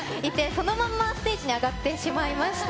そのままステージに上がってしまいました。